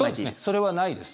それはないです。